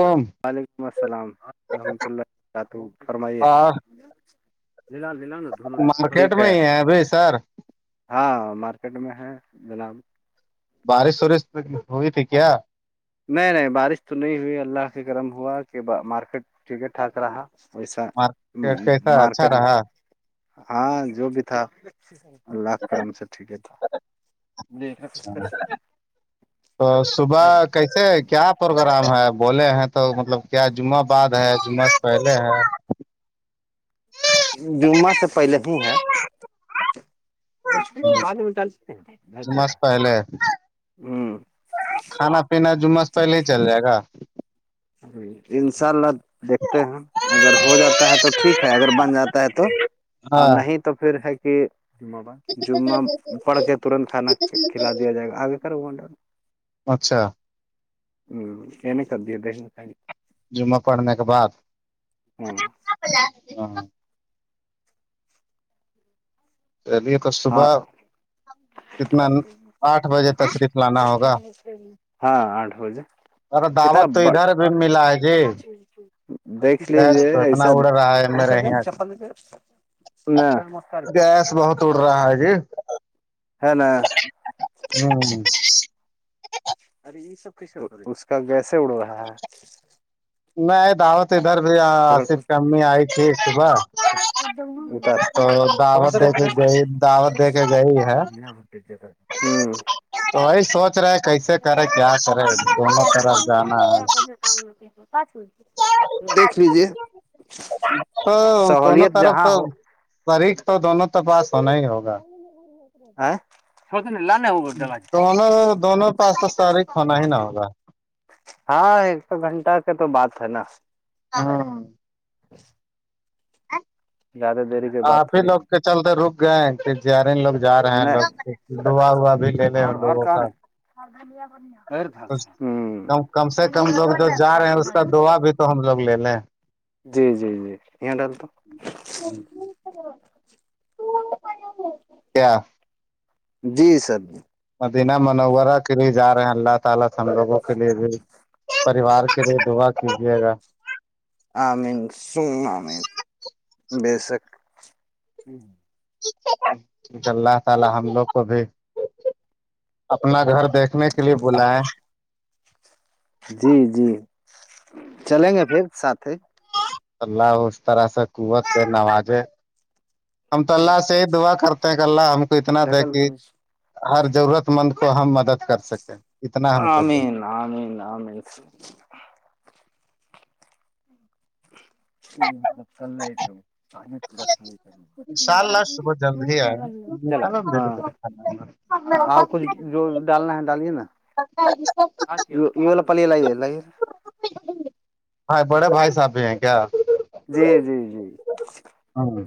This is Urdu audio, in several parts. کم وعلیکم السلام ورحمۃ اللہ وبرکاتہ فرمائیے جلال للالو مارکیٹ میں ہی ہے ابھھی سر ہاں مارکیٹ میں ہے جناب بارش وارش ہوئی تھی کیا نہیں نہیں بارش تو نہیں ہوئی اللہ کے گرم ہوا کہ مارکیٹ ٹھیک ہے ٹھاک رہا ویسا مارکیٹ کیسا اچھا مارکیٹ رہا ہاں جو بھی تھا اچھا اللہ ح کر ہم سے ٹھیک ہے تھا اچھا تو صبح کیسے کیاپ پروگرام ہے بولے ہیں تو مطلب کیا جمعہ بعد ہے جمعہ سے پہلے ہے جمعہ سے پہلے ہی ہے وورس کی بار منٹ جمعہ پہلے کھانا پینا جمعہ پہلے ہی چل جائے گا انشاء اللہ دیکھتے ہیں اگر ہو جاتا ہے تو ٹھیک ہے اگر بن جاتا ہے تو اور ہاں نہیں تو پھر ہے کہ جمعہ پڑ کے ترنت کھانا کھلا دیا جائے گا آگے کر اچھا ہوں نے کد دشک جمعہ پڑھنے کے بعد ہ ہ چلی کا ہاں صبہ آٹھ بجے تشریف لانا ہوگا ہاں آٹھ بجے ارے کتنا دعوت تو ادھر بھی ملا ہے جی دیکھ گیس لیجیے تو اتنا ایسا اڑ رہا ہے وہ میرے سب یہاں چفند پ مساری گیس بہت اڑ رہا ہے جی ہے ن ہ ارے یہ سب ک رہا اس کا گیسے اڑ رہا ہے نہیں دعوت ادھر پکڑ بھیصف کمی آئی تھی صبح اتار تو دعوت دے کے گئی دعوت دے کے گئی ہے ہ ہ تو وہی سوچ رہے ہے کیسے کرے کیا کرے گھوموں طرف جانا ہے کام ن پ پچ م دیکھ لیجے سہولت جہاں ہو فریق تو دونوں تو پاس ہونا ہی ہوگا لانے ہوگا دونوں دونوں پاس تو سارے ہی کھنا ہی نہ ہوگا ہاں ایک س گھنٹہ کا تو بات ہے نا ہاں ا گیادہ دیرے آپ ہی لوگ کے چلتے رک گئے سیارے لوگ جا رہے ہیں لوگ نہیں ڈا وا بھی لے لے ان لوگوں کا د ب تو کم کم سے کم لوگ جو دن جا رہے تو ہیں اس کا نظر گ دعا بھی تو ہم لوگ لے لیں جی جی جی یہاں ڈال تو ا کیا جی سر جی [unintelligible] پریوار کے لیے دعا کیجیے گا آ مین س آ مین بےسک [unintelligible] اپنا گھر دیکھنے کے لیے بولا ہے جی جی چلیں گے پھر ساتھ ہی اللہ اس طرح سے قوت سے نوازے ہم تو جی اللہ سے ہی دعا کرتے اللہ ہم کو اتنا دے ڈھکل کہ ہر ضرورت مند کو ہم مدد کر سکیں اتنا ہم کو نام دے نام نام ج متل آئیت تو آ رپ ان شاء اللہ صبح جلد ہی آئے چلا ہاں آپ کچھ جو ڈالنا ہے ڈالے نا یہلہ پلی ل یہ ل یہ ہ بڑے بھائی صاحب بھی ہیں کیا جی جی جی ہاں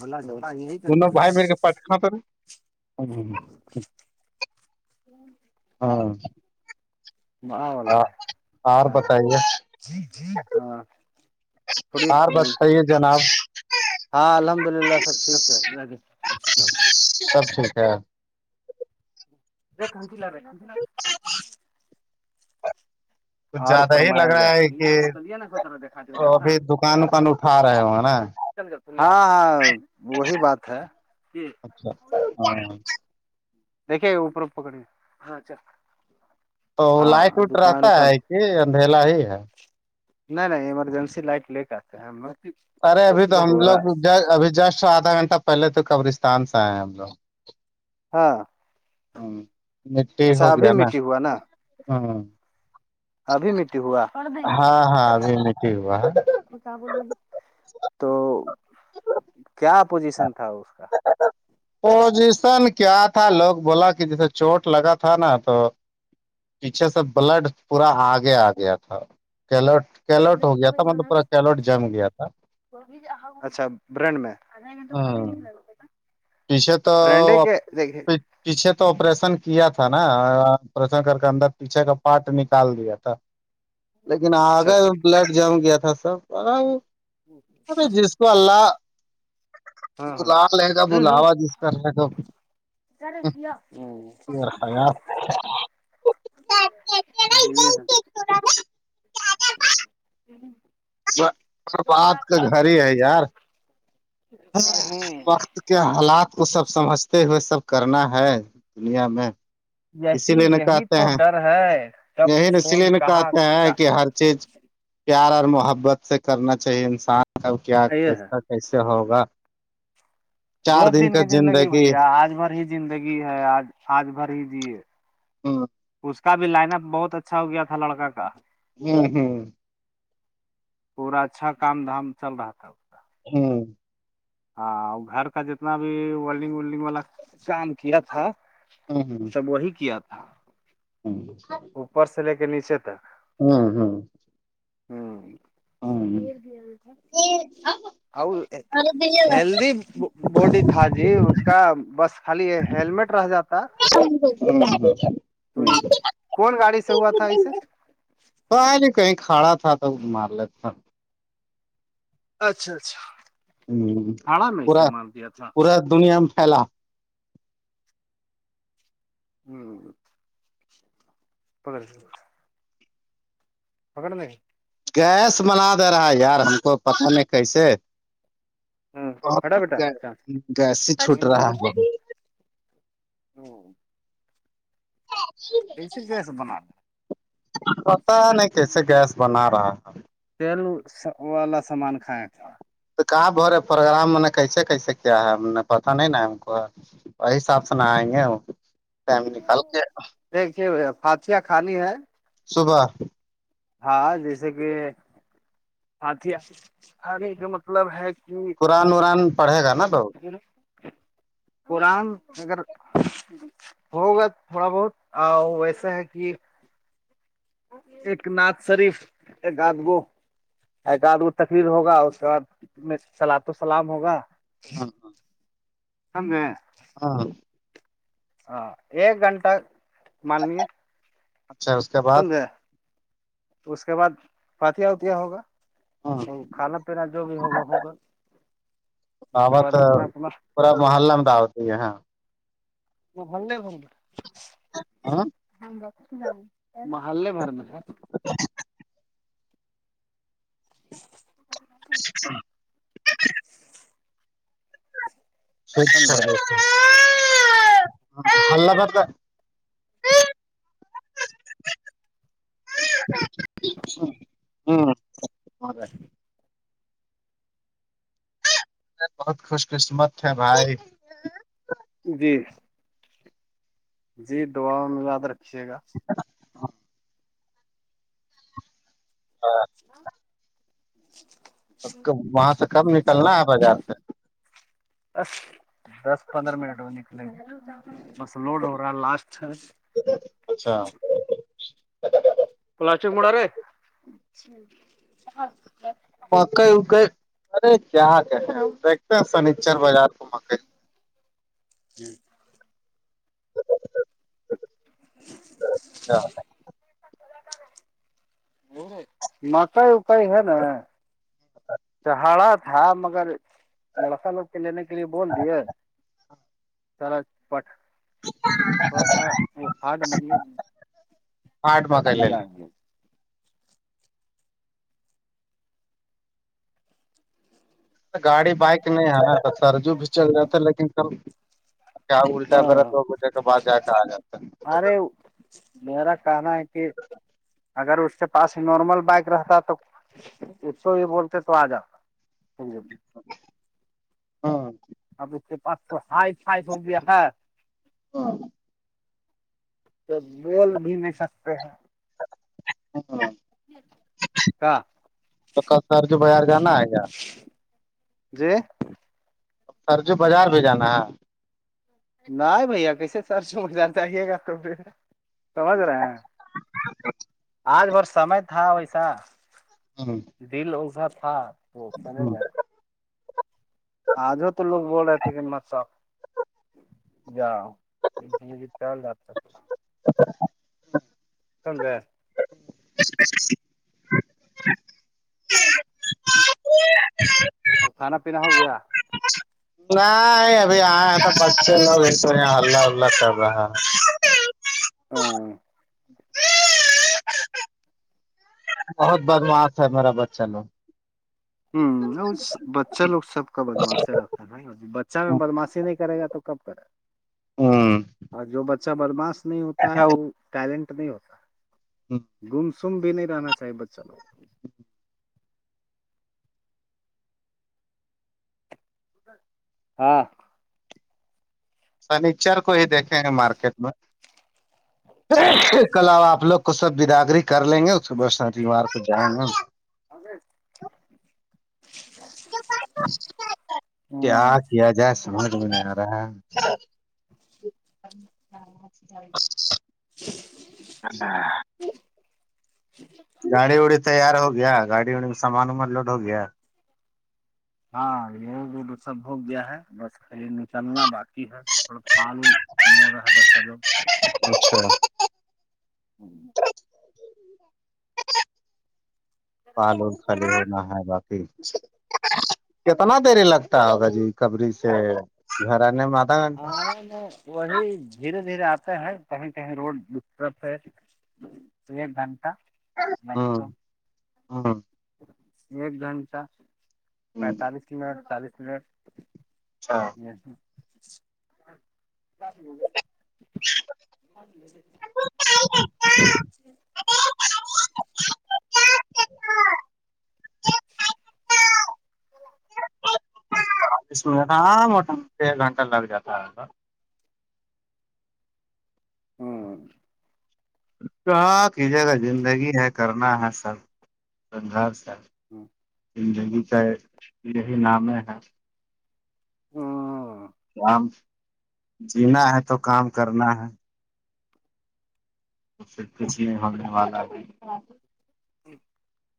بلا ج دونوں بھائی بہن کے پٹ کا ت ر ہاں وہ والا ہے اور ہاں بتائیے ج ج ہاں تھوڑی اور بس صحی ہے جناب ہاں الحمد للہ سب ھیک سب ٹھیک ہے دیکھن ل بیکھ ل کچھ اور زیادہ ہی فرمایا لگ رہا ہے جائے کہ بت نا س ابھی دکان وکان اٹھا رہے ہو نا دا کے ہاں ہاں وہی بات ہے ہاں جی دیکے اوپر پکڑی ہاںا تو لائٹ وٹ رہتا وکان ہے کہ اندھیلا ہی ہے نہیں نہیں ایمرجنسی لائٹ لے کا آے ہم ارے ابھی تو ہم تھوڑا لوگ ج ابھی جسٹ آدھا گھنٹہ پہلے تو قبرستان سے آئے ہیں ہم لوگ ہاں ہوں مٹی ہو اچھا ابھی گیا نا مٹی ہوا ابھی مٹی ہوا ہاں ہاں ابھی مٹ ہوا ہے کیا تو کیا پوزیشن تھا اس کا پوزیشن کیا تھا لوگ بولا کہ جیسے چوٹ لگا تھا نا تو پیچھے سے بلڈ پورا آگے آ گیا تھا کیلٹ الر ہو گیا تھا منڈپور کے الرٹ جام گیا تھا اچھا بڈ میںہے ٹی شرٹ پیچھے تو آپریشن کیا تھا نا آپریشن کر کے اندر پیچھے کا پارٹ نکال دیا تھا لیکن اچھا آگے اچھا بلڈ جم گیا تھا سب جس تو ہاں ہاں اللہلہ لے گا بلاوا جس کر رہے کا کیا رہ گیا ہاں یہ [inaudible] جی بات کا گھر ہی ہے یار ہے وقت کے حالات کو سب سمجھتے ہوئے سب کرنا ہے دنیا میں اسی یہی لیے ن یہی کہتے تو ہیں ڈر ہے کب یہی اس لیے کون میں کہاں کہتے ہیں کہ ہر چیز پیار اور محبت سے کرنا چاہیے انسان کا کیا یہ ہے کیسا کیسے ہوگا دو دن کی زندگی بھیا آج بھر ہی زندگی ہے آج آج بھر ہی جے ہاں اس کا بھی لائن اپ بہت اچھا ہو گیا تھا لڑکا کا ہوں پورا اچھا کام دھام چل رہا تھا کا ہوں ہاں گھر کا جتنا بھی ولڈنگ ولڈنگ والا کام کیا تھا ہ سب وہی کیا تھا ہوں اوپر سے لے کے نیچے تک ہوں ہوں ہ ہیلدی بوڈی تھا جی اس کا بس خالی ہیللمٹ رہ جاتا تو یہ کون گاڑی سے ہوا تھا اسے تو ہے نہیں کہیں کھڑا تھا تو مار لیتا تھا اچھا اچھا ہڑا میں پورا اسع مال دیا تھا پورا دنیا میں پھیلا ہوں پندرہ پکڑنے گیس منا دے رہا ہے یار ہم کو پتہ نہیں کیسے ہ ہٹا بیٹا گسی چھوٹ رہا ہے او [unintelligible] کیسے کیسے بنا پتا ہے نہیں کیسے گیس بنا رہا ہے تیل والا سامان کھیا تھا تو کہاں ب رہے پروگرام میں نے کیسے کیسے کیا ہے ہم نے پتا نہیں نا ہم کو وہی حساب سے نہ آئیں گے وہ دیکے فااتیا کھانی ہے صبح ہاں جیسے کہ ہات ہے کا مطلب ہے قرآن وران پڑھے گا نا تو کہ قرآن اگر ہوگا تھوڑا بہت ویسا ہے کہ ایک ناد شریف ایک آادگو ایک بعد وہ تقریر ہوگا اس کے بع سلا تو و سلام ہوگا ہ سگے ہاں ہاں ایک گھنٹہ ماننیے اچھا کے بعد سمجھے اس کے بعد پاتیا وتیا ہوگا ہ کھانا پیرا جو بھی ہوگا ہوگا اس کے آوت بعد اپنا اپنا پورا محلہ میں تو آتی ہے ہاں وہ بول بول ہاں محے مارنا ہے ا [unintelligible] ا [unintelligible] ا [unintelligible] خچ سر سمجھے اللہ کرتا ہاں بہت خوش قسمت ہے بھائی جی جی دعاؤں میں یاد رکھیے گا ہاں ہاں ہاں وہاں سے کب نکلنا ہے بازار سے بس دس پندرہ منٹ میں نکلیں گے بس لوڈ ہو رہا ہے لاسٹ اچھا پلاسٹک رہے مکئی اکئی ارے کیا کہ دیکھتے ہیں سنیچر بازار کو مکئی جی چھآ مکائی اکائی ہے نا ہرا ہاں مگر لڑکا لوگ کے لینے کے لیے بول دیے سارا پٹ تھوڑا سا وہ ہارڈ آاںٹ ماتا لے لیا گاڑی بائک نہیں ہے سرجو بھی چل جات تھے لیکن کب کیا الٹا بھرا ہاں دو مجھے کے بعد جا کے آ جاتا ارے میرا کہنا ہے کہ اگر اس کے پاس نارمل بائک رہتا تو ایک توو یہ بولتے تو آ جاتا ہاں آپ اس کے پچ سو سائی سائی س رپیا ہے تو بول بھی نہیں سکتے ہیں ہ کیا تو کر جو بازار جانا ہے ار جی سر جو بازار بھی جانا ہے ن بھیا کیسے سرچ مدان چاہیے گا تو پا سمجھ رہے ہیں آج بھر سمے تھا ویسا ہاں دل ازا تھا تو سنے گا آج ہو تو لوگول رہے تھےیکن م سا جاؤ ج ج چل جات اچھاا س گ [inaudible] اور کانا پینا ہو گیا نہیں ابھی یہ تو بچے لوگ ہلہ الہ کر رہا ہے ہاں ہے بہت بدماف ہے میرا بچہ لو ہوں بچہ لوگ سب کا بدماسے رکھ بچہ میں بدماشی نہیں کرے گا تو کب کرے گ ہوں اور جو ب اا بدماش نہیں ہوتا ہے وہ ٹیلنٹ نہیں ہوتا گم سم بھی نہیں رہنا چاہیے بچوں ہاں فرنیچر کو ہی دیکھے ہیں مارکیٹ میں ہاں کل آ آپ لوگ کو سب بدگری کر لیں گے اس کے ب شریوار کو جائیں گے ہم اے [inaudible] کیا ہ کیا جائے سمجھ میں نہیں آ رہا ہے ہ ٹھیک ہے گاڑی ووڑی تیار ہو گیا گاڑی ووڑی میں سامانوں م لوڈ ہو گیا ہاں یہ وہ سب بھوگ دیا ہے بس یہ نچلنا باقی ہے تھ پال نورا ہبت کلو اچھا پالو خھلی ہونا ہے باقی کتنا دری لگتا ہوگا جی کبری سے گھر آنے میں آ آ نہیں وہی دھیرے دھیرے آتے ہیں کہیں کہیں روڈ ڈٹر ہے ایک گھنٹا ہاں ہاں ایک گھنٹہ پینتالیس منٹ چالیس منٹ اچھا جی چ [inaudible] [inaudible] ہاں موٹا موٹی ایک گھنٹہ لگ جاتا ہے اوہ کیا کریے گا زندگی ہے کرنا ہے سب گھر سے [inaudible] زندگی کا یہی نام ہے ہمم کام جینا ہے تو کام کرنا ہے اس سے کچھ ہی نہیں ہونے والا ہے [inaudible]